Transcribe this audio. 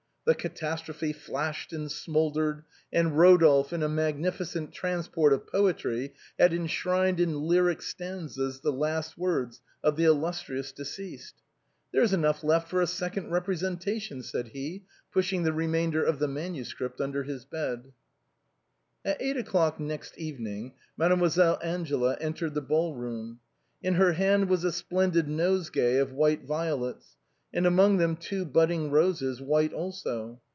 The catastrophe flashed and smouldered, and Rodolphe in a magnificent transport of poetry had enshrined in lyric stanzas the last words of the illustrious deceased, " There is enough left for a second representation," said he, pushing the remainder of the manuscript under his bed. At eight o'clock next evening. Mademoiselle Angela en tered the ball room ; in her hand was a splendid nosegay of white violets, and among them two budding roses, white also.